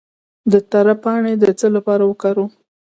د تره پاڼې د څه لپاره وکاروم؟